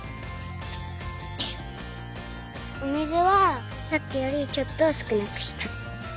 お水はさっきよりちょっとすくなくした。